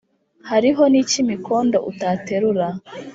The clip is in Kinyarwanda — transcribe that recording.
hariho n' icy' imikondo utaterura,